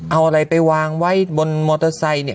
เอาอะไรไปวางไว้บนมอเตอร์ไซค์เนี่ย